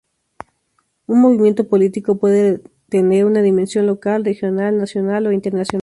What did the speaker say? Un movimiento político puede tener una dimensión local, regional, nacional, o internacional.